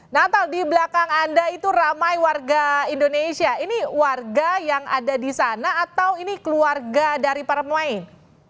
natal di belakang anda itu ramai warga indonesia ini warga yang ada di sana atau ini keluarga dari para pemain